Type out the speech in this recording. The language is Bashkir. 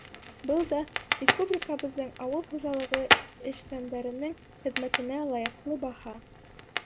Был да — республикабыҙҙың ауыл хужалығы эшсәндәренең хеҙмәтенә лайыҡлы баһа.